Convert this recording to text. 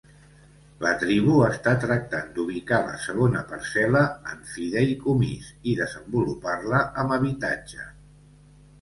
La tribu està tractant d'ubicar la segona parcel·la en fideïcomís i desenvolupar-la amb habitatge.